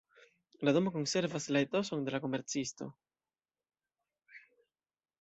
La domo konservas la etoson de la komercisto.